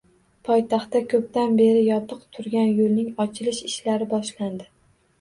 Poytaxtda koʻpdan beri yopiq turgan yoʻlning ochilish ishlari boshlandi.